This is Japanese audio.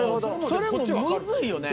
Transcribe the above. それもむずいよね。